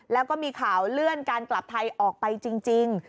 แล้วก็มีข่าวเลื่อนการกลับไทยออกไปจริง